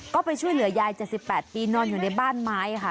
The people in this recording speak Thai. ก็ไปช่วยเหลือยาย๗๘ปีนอนอยู่ในบ้านไม้ค่ะ